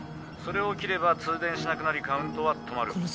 それを切れば通電しなくなりカウントは止まる。